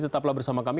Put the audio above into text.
tetaplah bersama kami